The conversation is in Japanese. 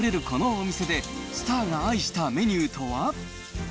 このお店でスターが愛したメニューとは？